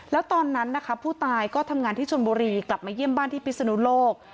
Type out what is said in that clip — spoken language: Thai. แล้วตอนนั้นนะคะผู้ตายก็ทำงานที่ชนบุรีกลับมาเยี่ยมบ้านที่พิศนุโลก